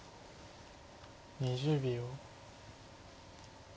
２０秒。